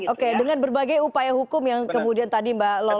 oke dengan berbagai upaya hukum yang kemudian tadi mbak lola